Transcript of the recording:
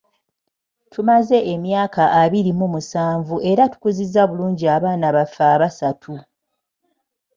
Tumaze emyaka abiri mu musanvu era tukuzizza bulungi abaana baffe abasatu .